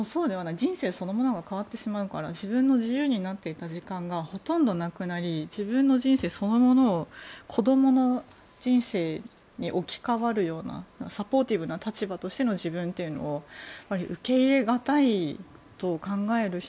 人生そのものが変わってしまうから自分の自由になっていた時間がほとんどなくなり自分の人生そのものを子供の人生に置き換わるようなサポーティブな立場としての自分というのを受け入れがたいと考える人。